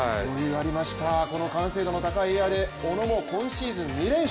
この完成度の高いエアで小野も今シーズン２連勝。